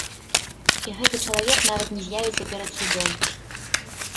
І гэты чалавек нават не з'явіцца перад судом.